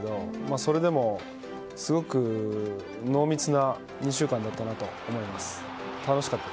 それでも、すごく濃密な２週間だったなと思います。